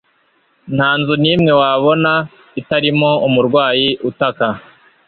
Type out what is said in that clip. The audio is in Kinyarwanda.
nta nzu n'imwe wabona itarimo umurwayi utaka;